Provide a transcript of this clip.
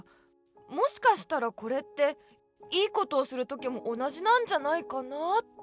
もしかしたらこれって良いことをするときも同じなんじゃないかなぁって。